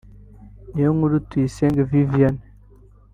Niyonkuru Tuyisenge Vivien